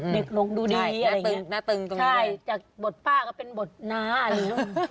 เด็กลงดูดีอะไรอย่างนี้ใช่จากบทป้าก็เป็นบทน้าอะไรอย่างนี้